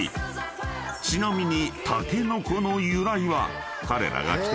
［ちなみに］